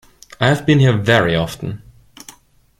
I have been here very often.